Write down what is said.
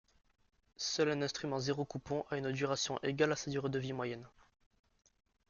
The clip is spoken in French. Seul un instrument zéro-coupon a une duration égale à sa durée de vie moyenne.